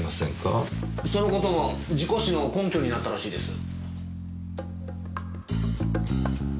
そのことも事故死の根拠になったらしいです。